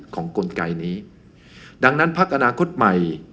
กลไกนี้ดังนั้นพักอนาคตใหม่